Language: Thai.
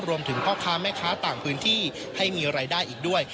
พ่อค้าแม่ค้าต่างพื้นที่ให้มีรายได้อีกด้วย